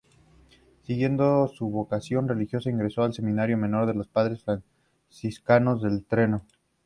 Siguiendo su vocación religiosa, ingresó al Seminario Menor de los Padres Franciscanos de Trento.